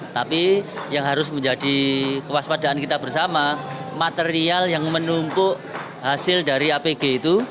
tapi yang harus menjadi kewaspadaan kita bersama material yang menumpuk hasil dari apg itu